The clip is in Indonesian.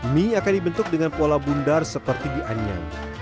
mie akan dibentuk dengan pola bundar seperti dianyang